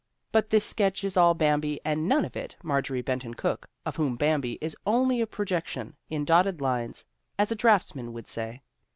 But this sketch is all Bambi and none of it Mar jorie Benton Cooke, of whom Bambi is only a pro jection, in dotted lines, as a draughtsman would say.